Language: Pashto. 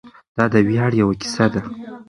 دا د ویاړ یوه کیسه ده.